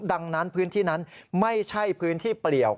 ดังนั้นพื้นที่นั้นไม่ใช่พื้นที่เปลี่ยว